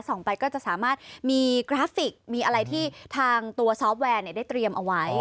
ไปก็จะสามารถมีกราฟิกมีอะไรที่ทางตัวซอฟต์แวร์ได้เตรียมเอาไว้